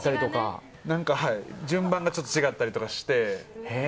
順番がちょっと違ったりとかして。